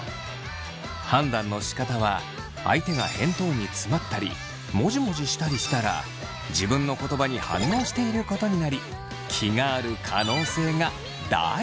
判断のしかたは相手が返答に詰まったりもじもじしたりしたら自分の言葉に反応していることになり気がある可能性が大。